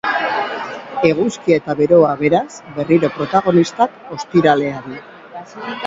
Eguzkia eta beroa, beraz, berriro protagonistak ostiralean.